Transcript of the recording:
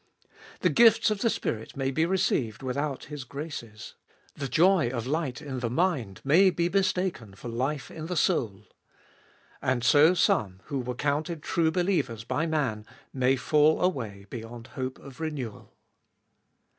The gifts of the Spirit may be received without His graces. The joy of light in the mind may be mistaken for life in the soul. And so some, who were counted true believers by man, may fall away beyond hope of renewal.